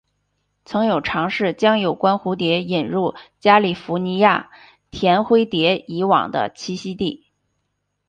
曾有尝试将有关的蝴蝶引入加利福尼亚甜灰蝶以往的栖息地。